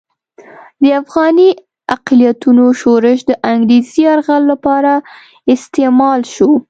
د افغاني اقلیتونو شورش د انګریزي یرغل لپاره استعمال شو.